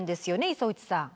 磯打さん。